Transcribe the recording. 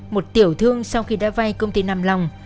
một tiểu thương sau khi đã vay công ty nam long